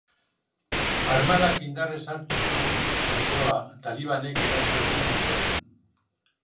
Armadak indarrez hartu du zentroa, talibanek eraso egin ondoren.